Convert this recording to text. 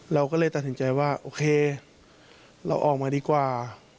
เราก็เลยตัดสินใจว่าโอเคเราออกมาดีกว่า